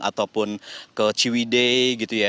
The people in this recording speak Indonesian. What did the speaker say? ataupun ke ciwidei gitu ya